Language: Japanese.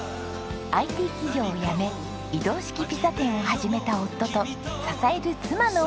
ＩＴ企業を辞め移動式ピザ店を始めた夫と支える妻のお話。